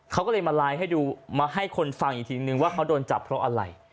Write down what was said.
เขาก็เลยมาไลน์ให้ดูมาให้คนฟังอีกทีนึงว่าเขาโดนจับเพราะอะไร